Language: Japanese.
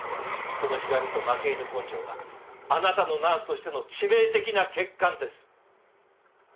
そのひがみと負け犬根性があなたのナースとしての致命的な欠陥です。